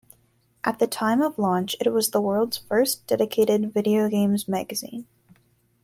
At the time of launch it was the world's first dedicated video games magazine.